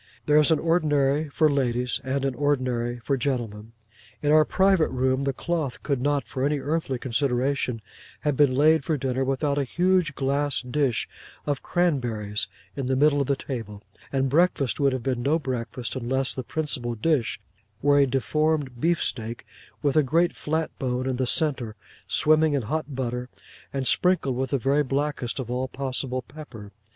There is an ordinary for ladies, and an ordinary for gentlemen. In our private room the cloth could not, for any earthly consideration, have been laid for dinner without a huge glass dish of cranberries in the middle of the table; and breakfast would have been no breakfast unless the principal dish were a deformed beef steak with a great flat bone in the centre, swimming in hot butter, and sprinkled with the very blackest of all possible pepper.